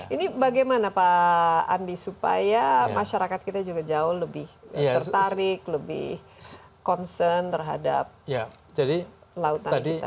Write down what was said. ini bagaimana pak andi supaya masyarakat kita juga jauh lebih tertarik lebih concern terhadap lautan kita